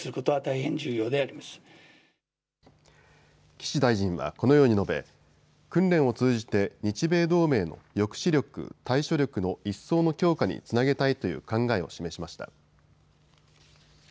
岸大臣はこのように述べ訓練を通じて日米同盟の抑止力・対処力の一層の強化につなげたいという考えを示しました。